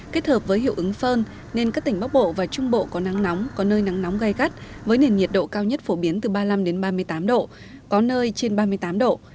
kết hợp với hiệu ứng phơn nên các tỉnh bắc bộ và trung bộ có nắng nóng có nơi nắng nóng gai gắt với nền nhiệt độ cao nhất phổ biến từ ba mươi năm ba mươi tám độ có nơi trên ba mươi tám độ